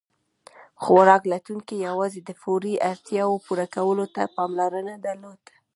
خوراک لټونکي یواځې د فوري اړتیاوو پوره کولو ته پاملرنه درلوده.